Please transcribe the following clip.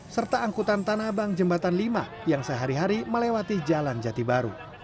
serta angkutan tanah abang jembatan lima yang sehari hari melewati jalan jati baru